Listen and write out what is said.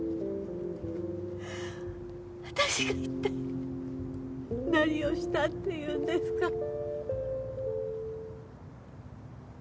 私が一体何をしたっていうんですか。